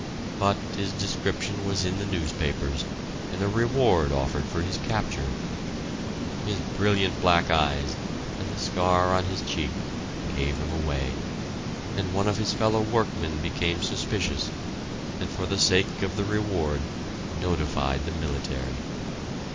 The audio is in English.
But his description was in the newspapers, and a reward offered for his capture. His brilliant black eyes and the scar on his cheek gave him away, and one of his fellow workmen became suspicious, and for the sake of the reward notified the military.